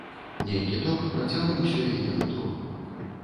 Нейкі ток працяў усё яе нутро.